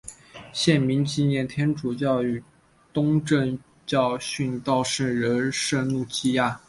县名纪念天主教与东正教殉道圣人圣路济亚。